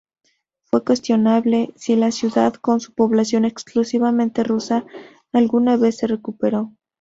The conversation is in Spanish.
Fue cuestionable si la ciudad, con su población exclusivamente rusa, alguna vez se recuperó.